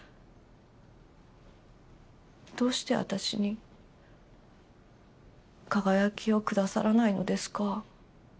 どうして私に「かがやき」をくださらないのですか？